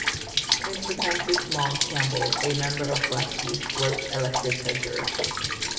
Mr Francis Maule Campbell, a member of Blackheath, was elected treasurer.